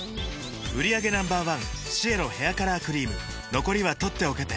売上№１シエロヘアカラークリーム残りは取っておけて